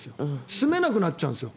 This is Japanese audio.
住めなくなっちゃうんですよ。